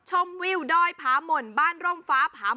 แก้ปัญหาผมร่วงล้านบาท